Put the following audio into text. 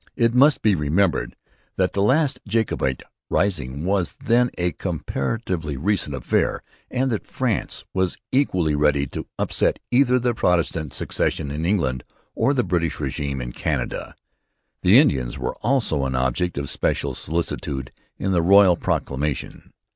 It must be remembered that the last Jacobite rising was then a comparatively recent affair, and that France was equally ready to upset either the Protestant succession in England or the British regime in Canada. The Indians were also an object of special solicitude in the royal proclamation.